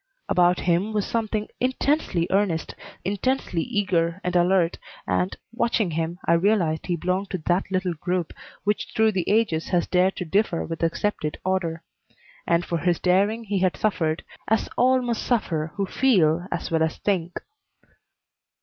About him was something intensely earnest, intensely eager and alert, and, watching him, I realized he belonged to that little group which through the ages has dared to differ with accepted order; and for his daring he had suffered, as all must suffer who feel as well as think.